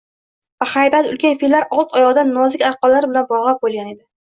Bahaybat, ulkan fillar old oyogʻidan nozik arqonlar bilan boylab qoʻyilgan edi